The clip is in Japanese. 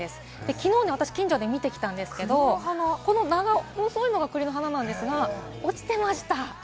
きのう近所で見てきたんですけど、この長細いのが栗の花です、落ちてました。